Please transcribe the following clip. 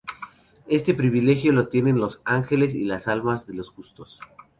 Este privilegio lo tienen los ángeles y las almas de los justos.